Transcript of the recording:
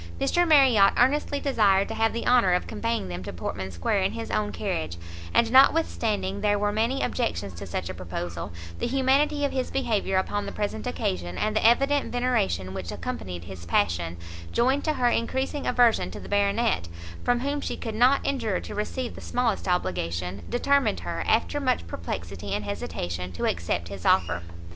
Mr Marriot earnestly desired to have the honour of conveying them to Portman square in his own carriage, and notwithstanding there were many objections to such a proposal, the humanity of his behaviour upon the present occasion, and the evident veneration which accompanied his passion, joined to her encreasing aversion to the Baronet, from whom she could not endure to receive the smallest obligation, determined her, after much perplexity and hesitation, to accept his offer.